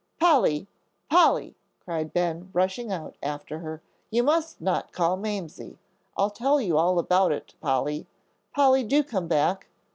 "Polly, Polly!" cried Ben, rushing out after her, "you must not call Mamsie. I'll tell you all about it, Polly. Polly, do come back."